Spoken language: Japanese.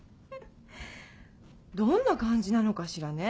どんな感じなのかしらね。